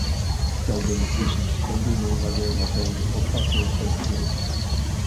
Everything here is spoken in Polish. Chciałbym zwrócić szczególną uwagę na tę ostatnią kwestię